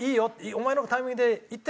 お前のタイミングでいってくれ。